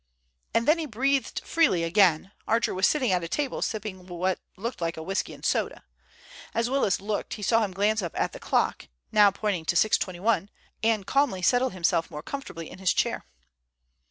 And then he breathed freely again. Archer was sitting at a table sipping what looked like a whisky and soda. As Willis looked he saw him glance up at the clock—now pointing to 6.21—and calmly settle himself more comfortably in his chair!